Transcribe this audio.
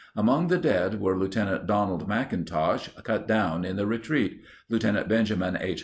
Among the dead were Lt. Donald Mcintosh, cut down in the retreat; Lt. Benjamin H.